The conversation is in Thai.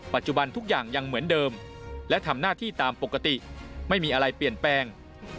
ปัจจุบันทุกอย่างยังเหมือนเดิมและทำหน้าที่ตามปกติไม่มีอะไรเปลี่ยนแปลง